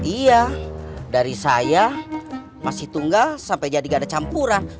iya dari saya masih tunggal sampai jadi ganda campuran